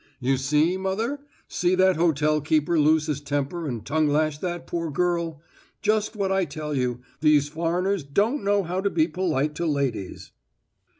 "You see, mother? See that hotel keeper lose his temper and tongue lash that poor girl? Just what I tell you these foreigners don't know how to be polite to ladies."